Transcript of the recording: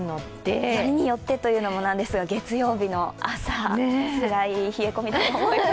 よりによってというのも何ですが、月曜日の朝、つらい冷え込みだと思います。